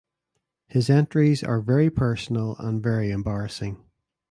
His entries are very personal and very embarrassing.